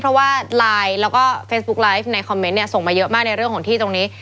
เพราะว่าไลน์แล้วก็เฟซบุ๊กไลฟ์ในคอมเมนต์เนี่ยส่งมาเยอะมากในเรื่องของที่ตรงนี้